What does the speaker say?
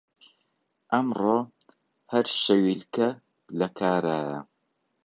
ئەمڕۆ هەر شەویلکە لە کارایە